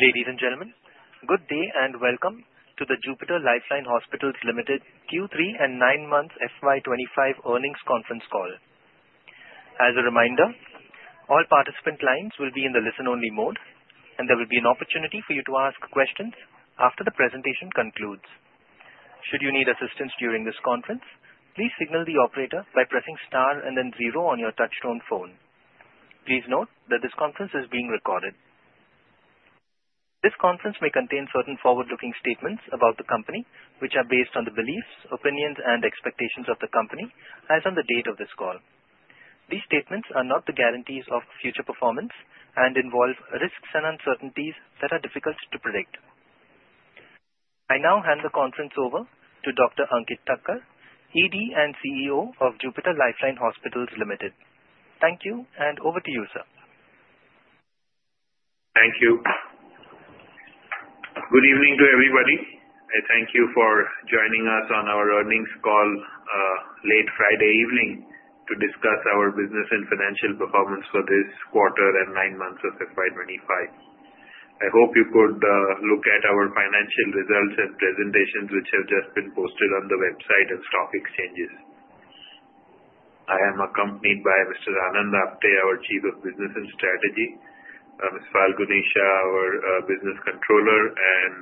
Ladies and gentlemen, good day and welcome to the Jupiter Life Line Hospitals Limited Q3 and 9-month FY25 earnings conference call. As a reminder, all participant lines will be in the listen-only mode, and there will be an opportunity for you to ask questions after the presentation concludes. Should you need assistance during this conference, please signal the operator by pressing star and then zero on your touch-tone phone. Please note that this conference is being recorded. This conference may contain certain forward-looking statements about the company, which are based on the beliefs, opinions, and expectations of the company as of the date of this call. These statements are not the guarantees of future performance and involve risks and uncertainties that are difficult to predict. I now hand the conference over to Dr. Ankit Thakkar, ED and CEO of Jupiter Life Line Hospitals Limited. Thank you, and over to you, sir. Thank you. Good evening to everybody. I thank you for joining us on our earnings call late Friday evening to discuss our business and financial performance for this quarter and nine months of FY25. I hope you could look at our financial results and presentations, which have just been posted on the website and stock exchanges. I am accompanied by Mr. Anand Apte, our Chief of Business and Strategy, Ms. Phalguneesha, our Business Controller, and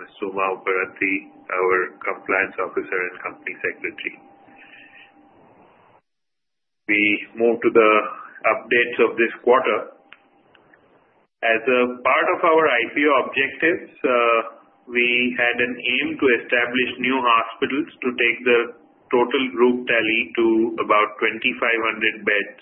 Ms. Suma Upparatti, our Compliance Officer and Company Secretary. We move to the updates of this quarter. As a part of our IPO objectives, we had an aim to establish new hospitals to take the total group tally to about 2,500 beds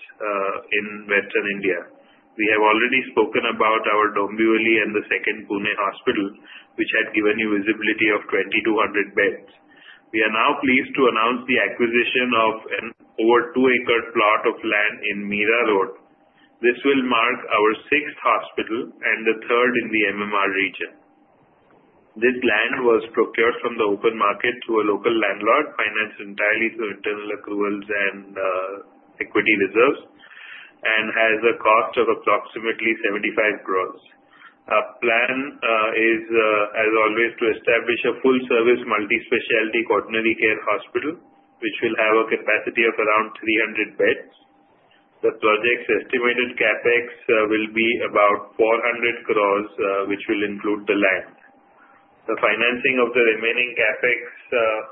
in Western India. We have already spoken about our Dombivli and the second Pune hospital, which had given you visibility of 2,200 beds. We are now pleased to announce the acquisition of an over two-acre plot of land in Mira Road. This will mark our sixth hospital and the third in the MMR region. This land was procured from the open market through a local landlord, financed entirely through internal accruals and equity reserves, and has a cost of approximately 75 crores. Our plan is, as always, to establish a full-service multi-specialty coronary care hospital, which will have a capacity of around 300 beds. The project's estimated CapEx will be about 400 crores, which will include the land. The financing of the remaining CapEx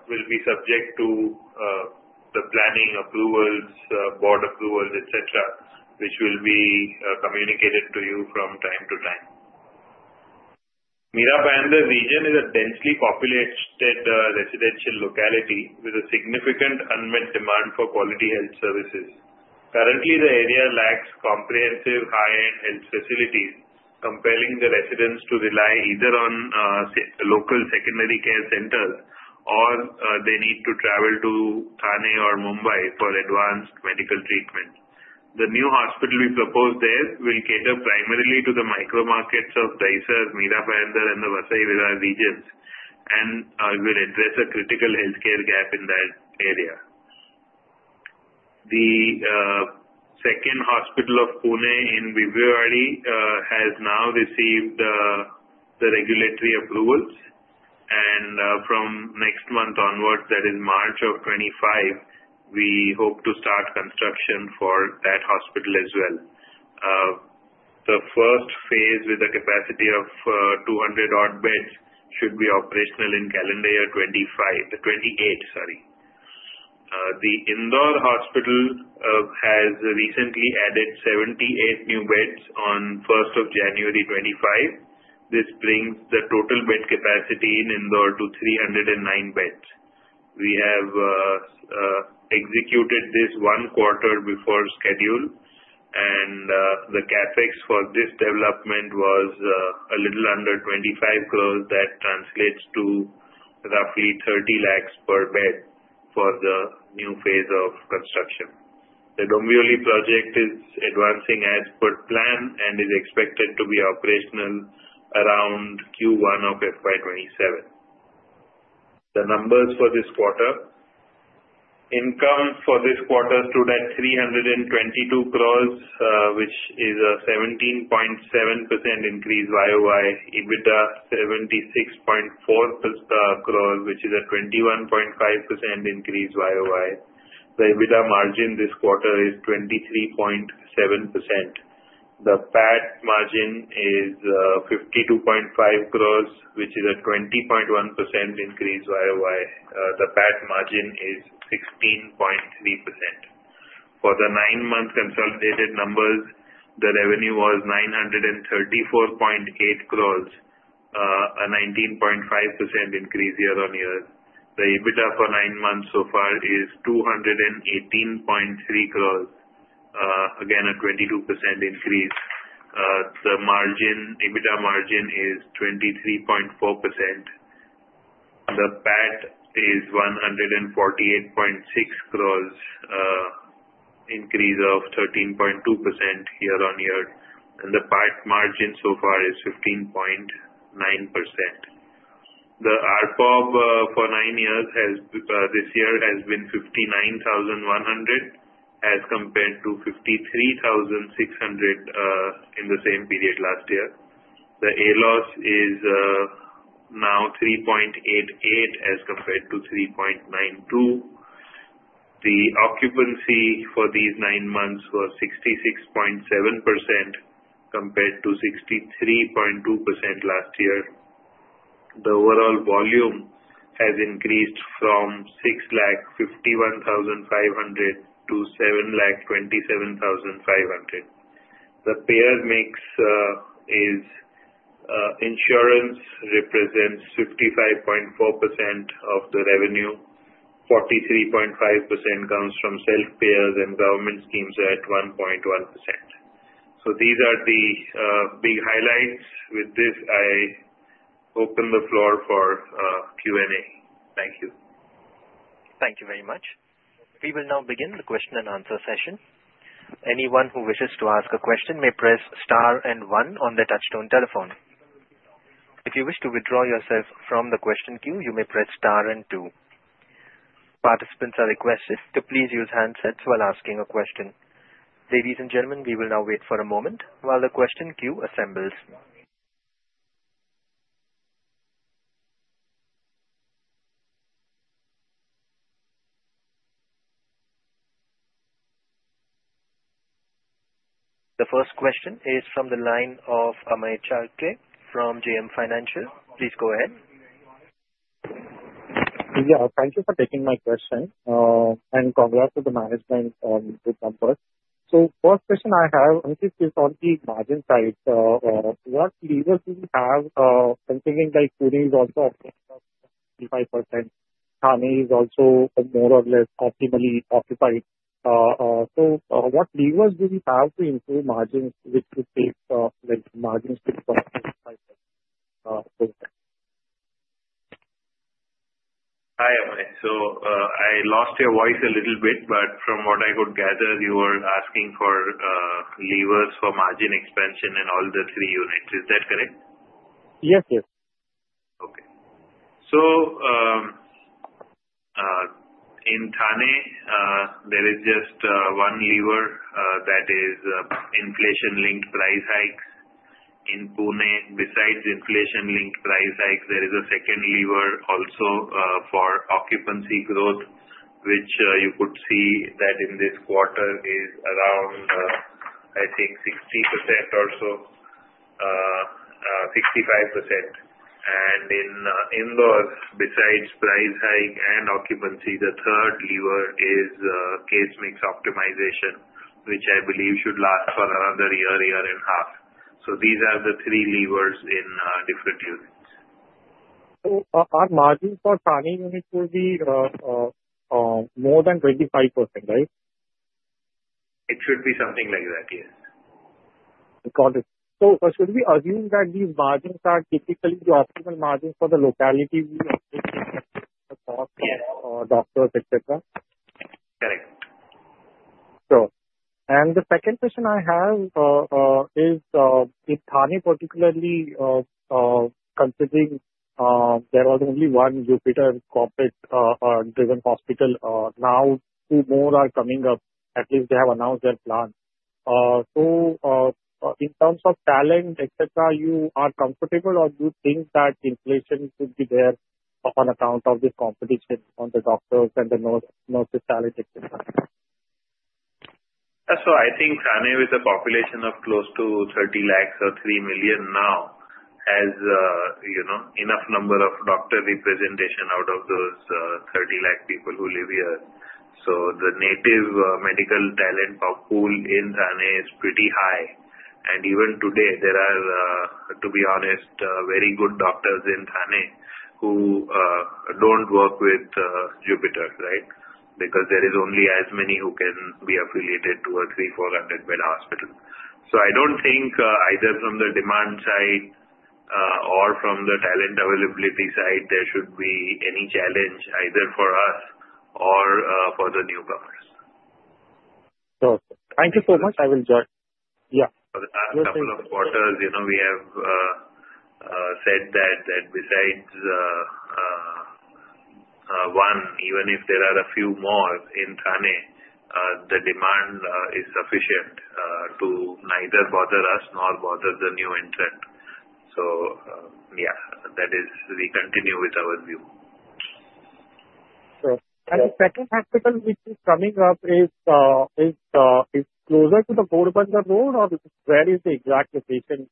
will be subject to the planning approvals, board approvals, etc., which will be communicated to you from time to time. Mira Bhayandar region is a densely populated residential locality with a significant unmet demand for quality health services. Currently, the area lacks comprehensive high-end health facilities, compelling the residents to rely either on local secondary care centers or they need to travel to Thane or Mumbai for advanced medical treatment. The new hospital we propose there will cater primarily to the micro-markets of Dahisar, Mira Bhayandar, and the Vasai-Virar regions, and will address a critical healthcare gap in that area. The second hospital of Pune in Bibwewadi has now received the regulatory approvals, and from next month onwards, that is March of 2025, we hope to start construction for that hospital as well. The first phase, with a capacity of 200 odd beds, should be operational in calendar year 2028. The Indore hospital has recently added 78 new beds on 1st of January 2025. This brings the total bed capacity in Indore to 309 beds. We have executed this one quarter before schedule, and the CapEx for this development was a little under 25 crores. That translates to roughly 30 lakhs per bed for the new phase of construction. The Dombivli project is advancing as per plan and is expected to be operational around Q1 of FY27. The numbers for this quarter: income for this quarter stood at 322 crores, which is a 17.7% increase YOY. EBITDA 76.4 crores, which is a 21.5% increase YOY. The EBITDA margin this quarter is 23.7%. The PAT is 52.5 crores, which is a 20.1% increase YOY. The PAT margin is 16.3%. For the nine-month consolidated numbers, the revenue was 934.8 crores, a 19.5% increase year on year. The EBITDA for nine months so far is 218.3 crores, again a 22% increase. The EBITDA margin is 23.4%. The PAT is 148.6 crores, increase of 13.2% year on year. The PAT margin so far is 15.9%. The RPOB for nine months this year has been 59,100, as compared to 53,600 in the same period last year. The ALOS is now 3.88, as compared to 3.92. The occupancy for these nine months was 66.7%, compared to 63.2% last year. The overall volume has increased from 651,500 to 727,500. The payer mix is insurance represents 55.4% of the revenue, 43.5% comes from self-payers and government schemes at 1.1%. These are the big highlights. With this, I open the floor for Q&A. Thank you. Thank you very much. We will now begin the question and answer session. Anyone who wishes to ask a question may press star and one on the touch-tone telephone. If you wish to withdraw yourself from the question queue, you may press star and two. Participants are requested to please use handsets while asking a question. Ladies and gentlemen, we will now wait for a moment while the question queue assembles. The first question is from the line of Amey Chalke from JM Financial. Please go ahead. Yeah, thank you for taking my question, and congrats to the management on this number. So first question I have, Ankit, is on the margin side. What levers do we have considering that Pune is also up to 25%? Thane is also more or less optimally occupied. So what levers do we have to improve margins, which would take margins to become 25%? Hi, Amey. So I lost your voice a little bit, but from what I could gather, you were asking for levers for margin expansion in all the three units. Is that correct? Yes, yes. Okay. So in Thane, there is just one lever that is inflation-linked price hikes. In Pune, besides inflation-linked price hikes, there is a second lever also for occupancy growth, which you could see that in this quarter is around, I think, 60% or so, 65%. And in Indore, besides price hike and occupancy, the third lever is case mix optimization, which I believe should last for another year, year and a half. So these are the three levers in different units. So, are margins for Thane units will be more than 25%, right? It should be something like that, yes. Got it. So should we assume that these margins are typically the optimal margins for the locality we are looking at for doctors, etc.? Correct. Sure. And the second question I have is, if Thane, particularly considering there was only one Jupiter corporate-driven hospital now, two more are coming up. At least they have announced their plan. So in terms of talent, etc., you are comfortable, or do you think that inflation could be there on account of this competition on the doctors' and the nurses' talent, etc.? I think Thane, with a population of close to 30 lakhs or 3 million now, has enough number of doctor representation out of those 30 lakh people who live here. The native medical talent pool in Thane is pretty high. Even today, there are, to be honest, very good doctors in Thane who don't work with Jupiter, right? Because there is only as many who can be affiliated to a 300-400-bed hospital. I don't think either from the demand side or from the talent availability side, there should be any challenge either for us or for the newcomers. Sure. Thank you so much. I will join. Yeah. For the last couple of quarters, we have said that besides one, even if there are a few more in Thane, the demand is sufficient to neither bother us nor bother the new entrant. So yeah, that is we continue with our view. Sure. And the second hospital which is coming up, is it closer to the Ghodbunder Road, or where is the exact location?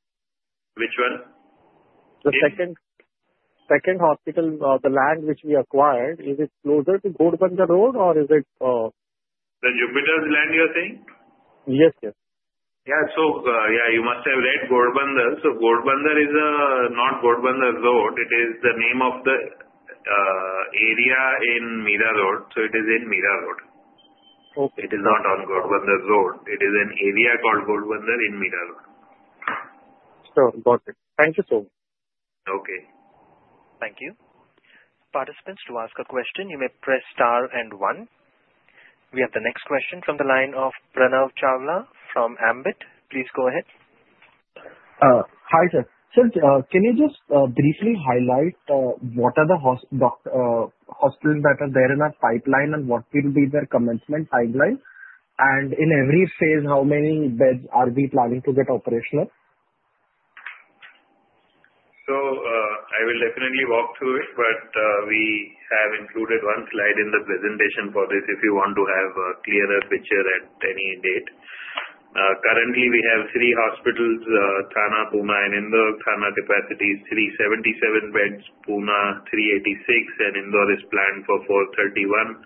Which one? The second hospital, the land which we acquired, is it closer to Ghodbunder Road, or is it? The Jupiter's land you are saying? Yes, yes. Yeah. So yeah, you must have read Ghodbunder. So Ghodbunder is not Ghodbunder Road. It is the name of the area in Mira Road. So it is in Mira Road. It is not on Ghodbunder Road. It is an area called Ghodbunder in Mira Road. Sure. Got it. Thank you so much. Okay. Thank you. Participants to ask a question, you may press star and one. We have the next question from the line of Pranav Chawla from Ambit. Please go ahead. Hi, sir. Sir, can you just briefly highlight what are the hospitals that are there in our pipeline and what will be their commencement timeline? And in every phase, how many beds are we planning to get operational? So I will definitely walk through it, but we have included one slide in the presentation for this if you want to have a clearer picture at any date. Currently, we have three hospitals: Thane, Pune, and Indore. Thane capacity is 377 beds. Pune, 386. And Indore is planned for 431,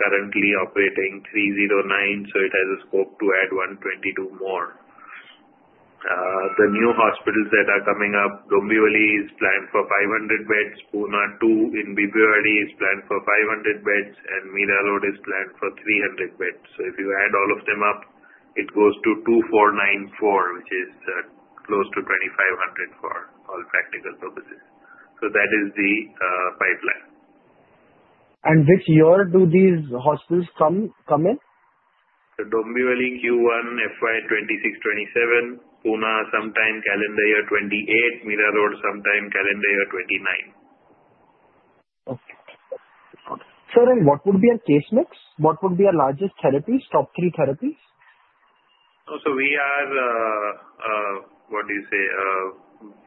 currently operating 309. So it has a scope to add 122 more. The new hospitals that are coming up, Dombivli is planned for 500 beds. Pune two in Bibwewadi is planned for 500 beds. And Mira Road is planned for 300 beds. So if you add all of them up, it goes to 2494, which is close to 2,500 for all practical purposes. So that is the pipeline. Which year do these hospitals come in? The Dombivli Q1, FY 2026-27. Pune, sometime calendar year 2028. Mira Road, sometime calendar year 2029. Okay. Sir, and what would be your case mix? What would be your largest therapies? Top three therapies? So we are, what do you say,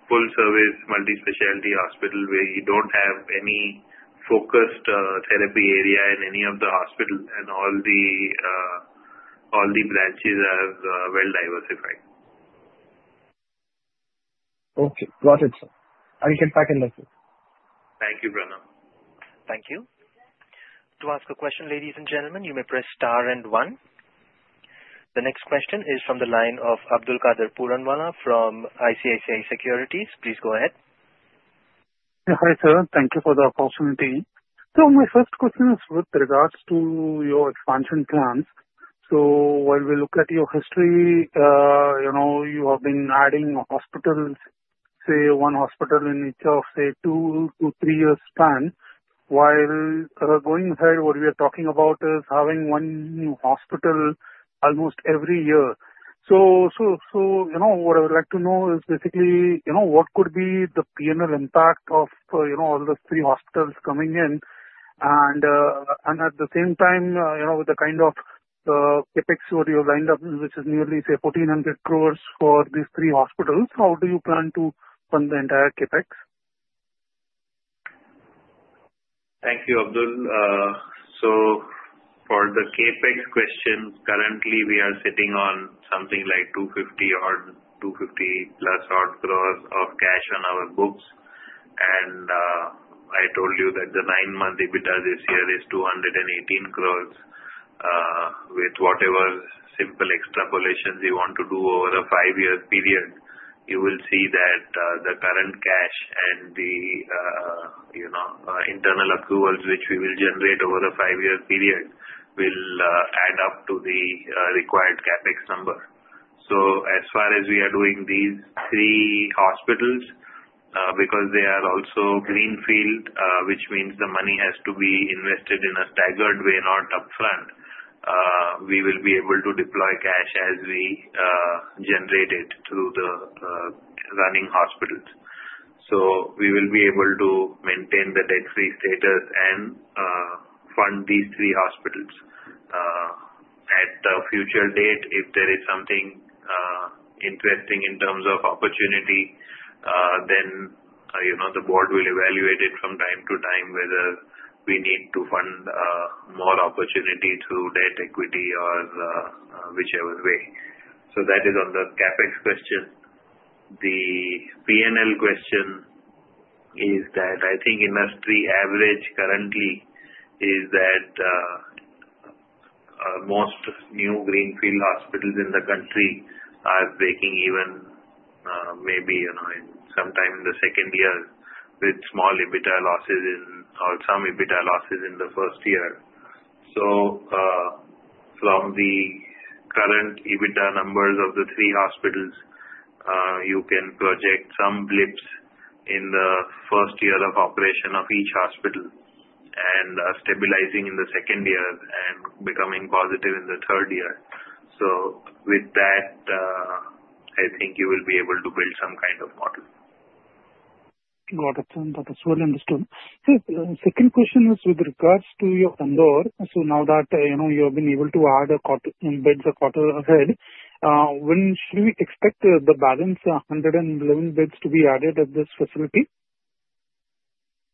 full-service multi-specialty hospital where you don't have any focused therapy area in any of the hospitals. And all the branches are well diversified. Okay. Got it, sir. I'll get back in a little bit. Thank you, Pranav. Thank you. To ask a question, ladies and gentlemen, you may press star and one. The next question is from the line of Abdulkader Puranwala from ICICI Securities. Please go ahead. Hi, sir. Thank you for the opportunity. So my first question is with regards to your expansion plans. So while we look at your history, you have been adding hospitals, say, one hospital in each of, say, two to three years' span. While going ahead, what we are talking about is having one new hospital almost every year. So what I would like to know is basically what could be the P&L impact of all those three hospitals coming in. And at the same time, with the kind of CapEx what you've lined up, which is nearly, say, 1,400 crores for these three hospitals, how do you plan to fund the entire CapEx? Thank you, Abdul. So for the CapEx question, currently we are sitting on something like 250 or 250 plus odd crores of cash on our books. And I told you that the nine-month EBITDA this year is 218 crores. With whatever simple extrapolations you want to do over a five-year period, you will see that the current cash and the internal accruals which we will generate over a five-year period will add up to the required CapEx number. So as far as we are doing these three hospitals, because they are also greenfield, which means the money has to be invested in a staggered way, not upfront, we will be able to deploy cash as we generate it through the running hospitals. So we will be able to maintain the debt-free status and fund these three hospitals. At the future date, if there is something interesting in terms of opportunity, then the board will evaluate it from time to time whether we need to fund more opportunity through debt equity or whichever way. So that is on the CapEx question. The P&L question is that I think industry average currently is that most new greenfield hospitals in the country are breaking even maybe sometime in the second year with small EBITDA losses or some EBITDA losses in the first year. So from the current EBITDA numbers of the three hospitals, you can project some blips in the first year of operation of each hospital and stabilizing in the second year and becoming positive in the third year. So with that, I think you will be able to build some kind of model. Got it. That is well understood. Sir, second question is with regards to your Thane Road. So now that you have been able to add beds a quarter ahead, when should we expect the balance 111 beds to be added at this facility?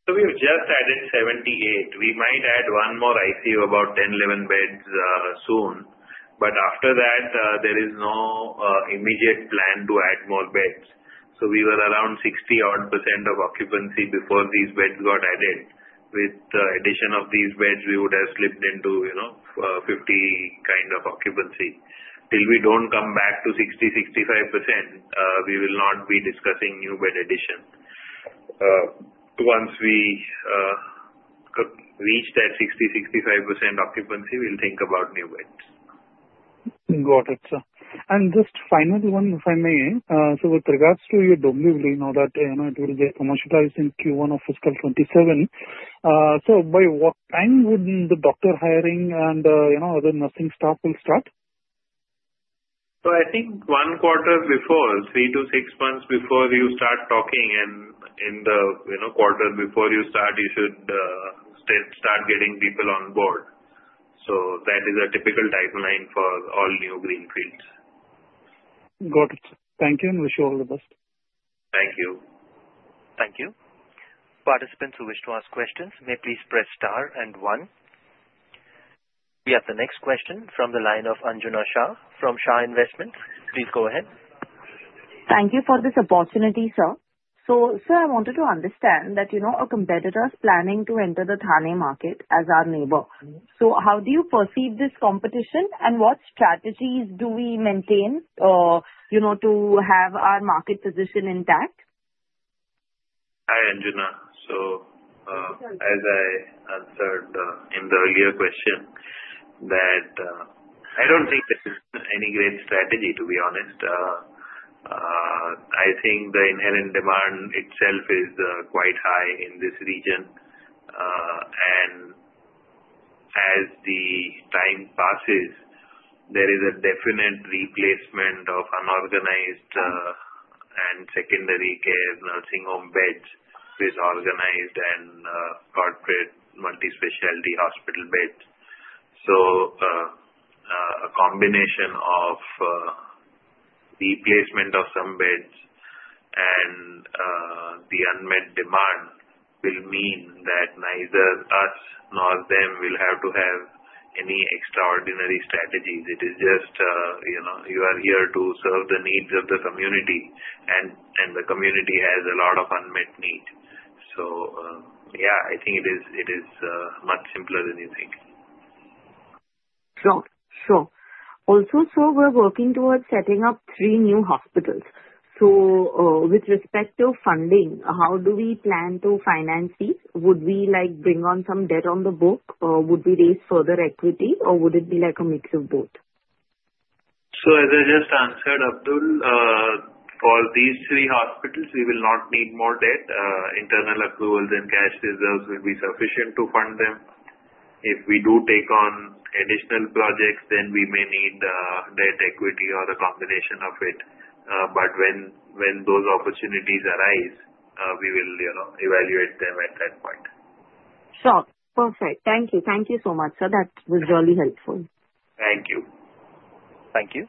So we have just added 78. We might add one more ICU, about 10, 11 beds soon. But after that, there is no immediate plan to add more beds. So we were around 60-odd% occupancy before these beds got added. With the addition of these beds, we would have slipped into 50% kind of occupancy. Till we don't come back to 60%-65%, we will not be discussing new bed addition. Once we reach that 60%-65% occupancy, we'll think about new beds. Got it, sir. And just final one, if I may. So with regards to your Dombivli now that it will be commercialized in Q1 of fiscal 27, so by what time would the doctor hiring and other nursing staff will start? I think one quarter before, three to six months before you start talking. In the quarter before you start, you should start getting people on board. That is a typical timeline for all new greenfields. Got it. Thank you, and wish you all the best. Thank you. Thank you. Participants who wish to ask questions, may please press star and one. We have the next question from the line of Anjana Shah from Shah Investments. Please go ahead. Thank you for this opportunity, sir. So, sir, I wanted to understand that a competitor is planning to enter the Thane market as our neighbor. So how do you perceive this competition, and what strategies do we maintain to have our market position intact? Hi, Anjana. So as I answered in the earlier question, that I don't think there is any great strategy, to be honest. I think the inherent demand itself is quite high in this region. And as the time passes, there is a definite replacement of unorganized and secondary care nursing home beds with organized and corporate multi-specialty hospital beds. So a combination of replacement of some beds and the unmet demand will mean that neither us nor them will have to have any extraordinary strategies. It is just you are here to serve the needs of the community, and the community has a lot of unmet needs. So yeah, I think it is much simpler than you think. Sure. Sure. Also, sir, we're working towards setting up three new hospitals. So with respect to funding, how do we plan to finance these? Would we bring on some debt on the books, or would we raise further equity, or would it be a mix of both? So as I just answered, Abdul. For these three hospitals, we will not need more debt. Internal approvals and cash reserves will be sufficient to fund them. If we do take on additional projects, then we may need debt equity or a combination of it. But when those opportunities arise, we will evaluate them at that point. Sure. Perfect. Thank you. Thank you so much, sir. That was really helpful. Thank you. Thank you.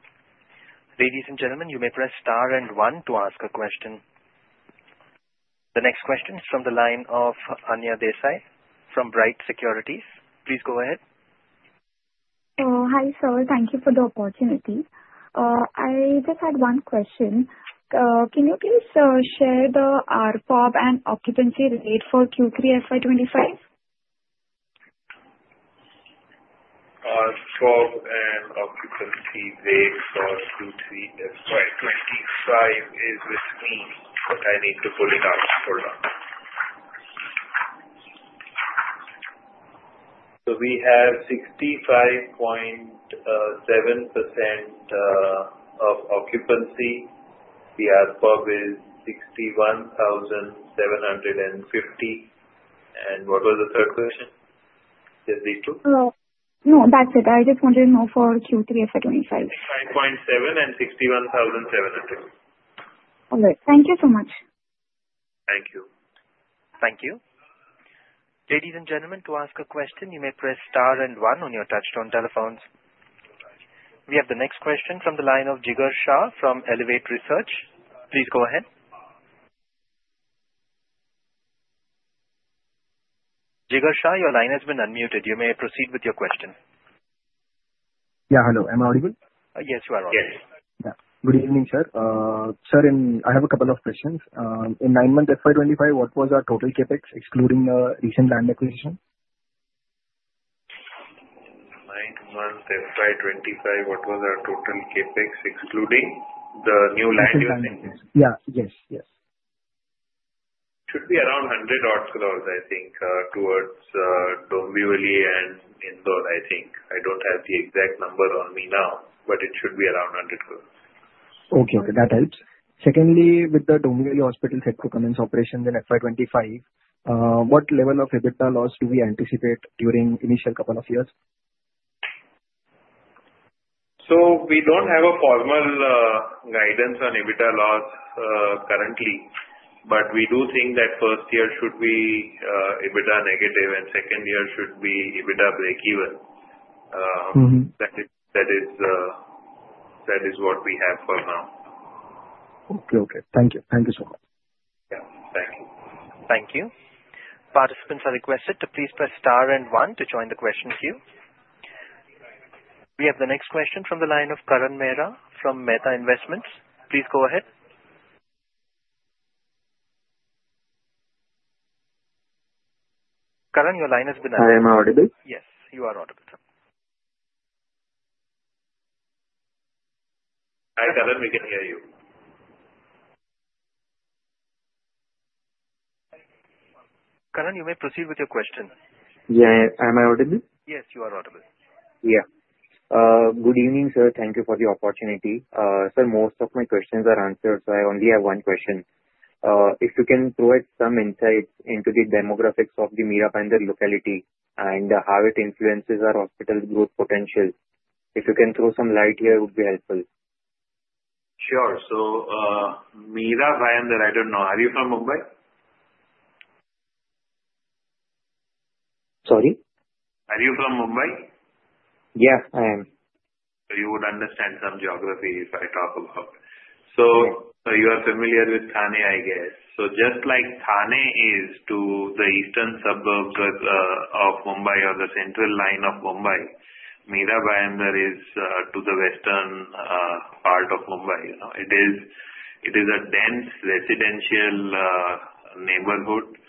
Ladies and gentlemen, you may press star and one to ask a question. The next question is from the line of Anya Desai from Bright Securities. Please go ahead. Hi, sir. Thank you for the opportunity. I just had one question. Can you please share the RPOB and occupancy rate for Q3 FY25? RPOB and occupancy rate for Q3 FY25 is with me, but I need to pull it out. Hold on. So we have 65.7% occupancy. The RPOB is INR 61,750. And what was the third question? Just these two? No, that's it. I just wanted to know for Q3 FY25. 65.7 and 61,750. All right. Thank you so much. Thank you. Thank you. Ladies and gentlemen, to ask a question, you may press star and one on your touch-tone telephones. We have the next question from the line of Jigar Shah from Elevate Research. Please go ahead. Jigar Shah, your line has been unmuted. You may proceed with your question. Yeah, hello. Am I audible? Yes, you are audible. Yes. Good evening, sir. Sir, I have a couple of questions. In nine months FY25, what was our total CapEx excluding the recent land acquisition? Nine months FY25, what was our total CapEx excluding the new land? Yeah. Yes. Yes. It should be around 100 odd crores, I think, towards Dombivli and Indore, I think. I don't have the exact number on me now, but it should be around 100 crores. Okay. That helps. Secondly, with the Dombivli hospital's commencement of operations in FY25, what level of EBITDA loss do we anticipate during the initial couple of years? So we don't have a formal guidance on EBITDA loss currently, but we do think that first year should be EBITDA negative and second year should be EBITDA break-even. That is what we have for now. Okay. Okay. Thank you. Thank you so much. Yeah. Thank you. Thank you. Participants are requested to please press star and one to join the question queue. We have the next question from the line of Karan Mehra from Mehta Investments. Please go ahead. Karan, your line has been unmuted. I am audible? Yes, you are audible, sir. Hi, Karan. We can hear you. Karan, you may proceed with your question. Yeah. Am I audible? Yes, you are audible. Yeah. Good evening, sir. Thank you for the opportunity. Sir, most of my questions are answered, so I only have one question. If you can throw some insights into the demographics of the Mira Bhayandar locality and how it influences our hospital growth potential, if you can throw some light here, it would be helpful. Sure. So Mira Bhayandar, I don't know. Are you from Mumbai? Sorry? Are you from Mumbai? Yeah, I am. You would understand some geography if I talk about it. You are familiar with Thane, I guess. Just like Thane is to the eastern suburbs of Mumbai or the central line of Mumbai, Mira Bhayandar is to the western part of Mumbai. It is a dense residential neighborhood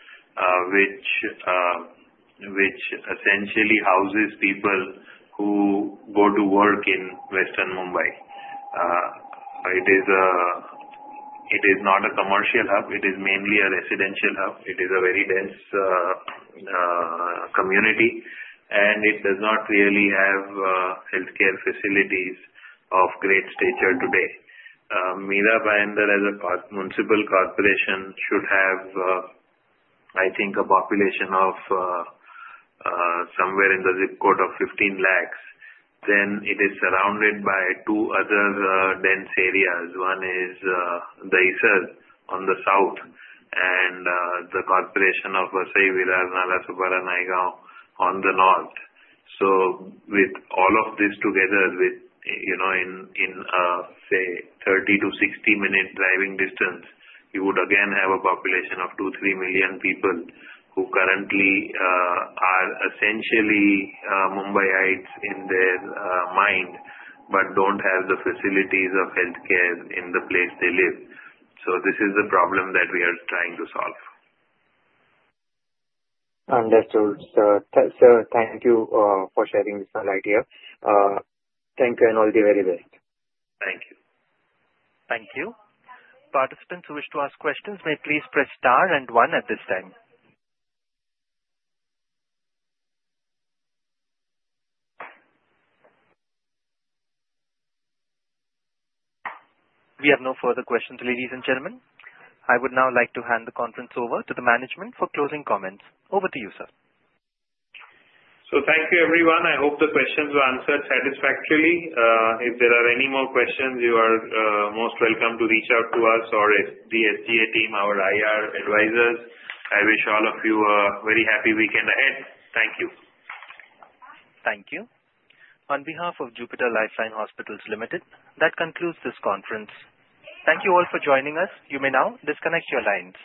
which essentially houses people who go to work in western Mumbai. It is not a commercial hub. It is mainly a residential hub. It is a very dense community, and it does not really have healthcare facilities of great stature today. Mira Bhayandar, as a municipal corporation, should have, I think, a population of somewhere in the zip code of 15 lakhs. Then it is surrounded by two other dense areas. One is Vasai on the south and the corporation of Vasai Virar Nalasopara Naigaon on the north. So with all of this together, in, say, 30-60-minute driving distance, you would again have a population of 2-3 million people who currently are essentially Mumbaiites in their mind but don't have the facilities of healthcare in the place they live. So this is the problem that we are trying to solve. Understood, sir. Sir, thank you for sharing this idea. Thank you and all the very best. Thank you. Thank you. Participants who wish to ask questions, may please press star and one at this time. We have no further questions, ladies and gentlemen. I would now like to hand the conference over to the management for closing comments. Over to you, sir. So thank you, everyone. I hope the questions were answered satisfactorily. If there are any more questions, you are most welcome to reach out to us or the SGA team, our IR advisors. I wish all of you a very happy weekend ahead. Thank you. Thank you. On behalf of Jupiter Life Line Hospitals Limited, that concludes this conference. Thank you all for joining us. You may now disconnect your lines.